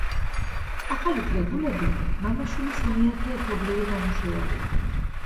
ახალი კრებული, მამა-შვილის მეათე ერთობლივი ნამუშევარია.